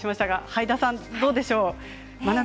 はいださん、どうでしょう。